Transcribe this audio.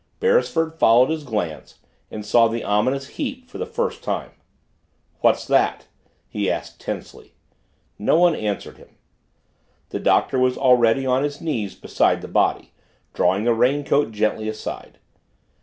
Beresford followed his glance and saw the ominous heap for the first time. "What's that?" he said tensely. No one answered him. The Doctor was already on his knees beside the body, drawing the raincoat gently aside.